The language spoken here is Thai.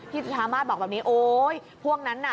จุธามาศบอกแบบนี้โอ๊ยพวกนั้นน่ะ